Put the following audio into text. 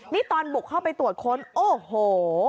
นี่ตอนบุกเข้าไปตรวจค้นโอ้โห